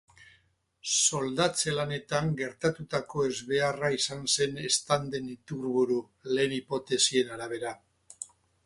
Soldatze lanetan gertatutako ezbeharra izan zen eztanden iturburu, lehen hipotesien arabera.